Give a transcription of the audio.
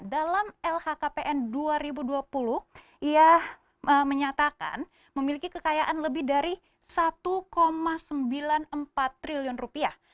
dalam lhkpn dua ribu dua puluh ia menyatakan memiliki kekayaan lebih dari satu sembilan puluh empat triliun rupiah